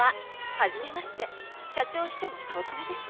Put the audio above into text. はじめまして社長秘書の早乙女です。